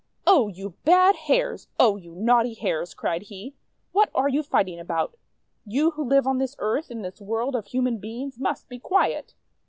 " Oh, you bad Hares ! Oh, you naughty Hares !>: cried he. 'What are you fighting about? You who live on this earth, in this world of human beings, must be quiet."